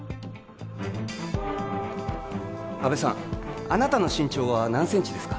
阿部さんあなたの身長は何センチですか？